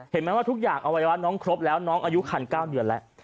เห็นไหมว่าทุกอย่างอวัยวะน้องครบแล้วน้องอายุคัน๙เดือนแล้ว